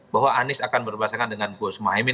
bahwa anies akan berbasakan dengan gus mohaimi